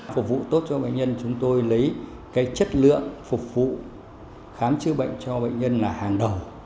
phục vụ tốt cho bệnh nhân chúng tôi lấy cái chất lượng phục vụ khám chữa bệnh cho bệnh nhân là hàng đầu